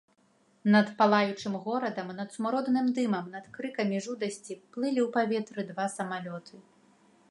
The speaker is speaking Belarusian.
Над палаючым горадам, над смуродным дымам, над крыкамі жудасці плылі ў паветры два самалёты.